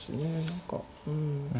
何かうん。